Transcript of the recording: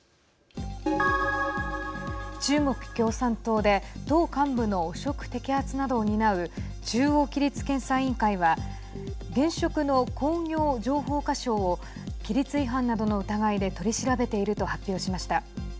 中国共産党で党幹部の汚職摘発などを担う中央規律検査委員会は現職の工業情報化相を規律違反などの疑いで取り調べていると発表しました。